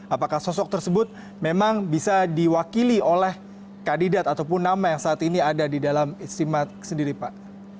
apakah sosok tersebut memang bisa diwakili oleh kandidat ataupun nama yang saat ini ada di dalam istimewa sendiri pak